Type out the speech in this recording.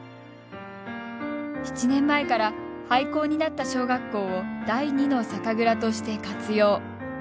７年前から廃校になった小学校を第２の酒蔵として活用。